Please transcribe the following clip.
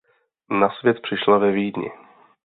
Na svět přišla ve Vídni.